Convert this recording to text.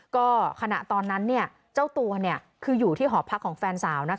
ก็ขณะตอนนั้นเจ้าตัวคืออยู่ที่หอพักของแฟนสาว